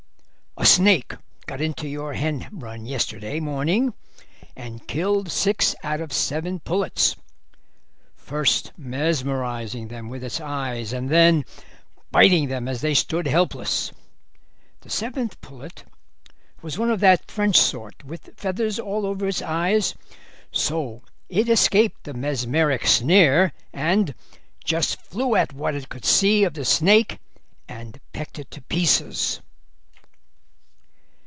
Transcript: "A snake got into your hen run yesterday morning and killed six out of seven pullets, first mesmerising them with its eyes and then biting them as they stood helpless. The seventh pullet was one of that French sort, with feathers all over its eyes, so it escaped the mesmeric snare, and just flew at what it could see of the snake and pecked it to pieces."